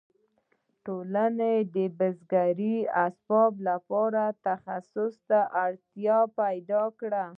ټولنې د بزګرۍ اسبابو لپاره متخصص ته اړتیا پیدا کړه.